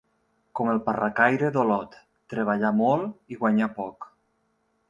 Com el Parracaire d'Olot, treballar molt i guanyar poc.